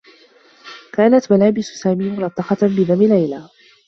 كانت ملابس سامي ملطّخة بدم ليلى.